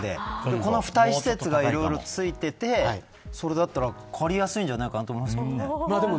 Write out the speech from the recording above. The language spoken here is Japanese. この付帯施設がいろいろ付いててそれだったらかなり安いんじゃないかなと思いますけどね。